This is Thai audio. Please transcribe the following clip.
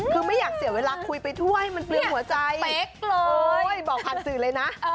คือไม่อยากเสียเวลาคุยไปถ้วยมันเปลืองหัวใจเป๊กเลยบอกผ่านสื่อเลยนะ